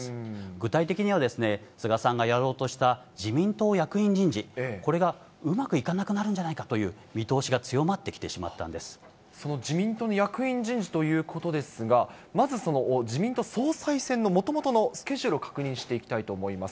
具体的にはですね、菅さんがやろうとした自民党役員人事、これがうまくいかなくなるんじゃないかという見通しが強まってきてしま自民党の役員人事ということですが、まずその自民党総裁選のもともとのスケジュールを確認していきたいと思います。